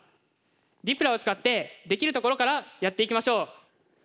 「りぷら」を使ってできるところからやっていきましょう。